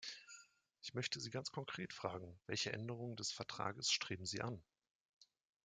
Ich möchte Sie ganz konkret fragen: Welche Änderungen des Vertrages streben Sie an?